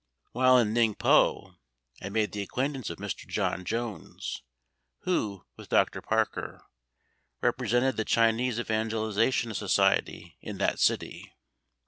While in Ningpo, I had made the acquaintance of Mr. John Jones, who, with Dr. Parker, represented the Chinese Evangelisation Society in that city.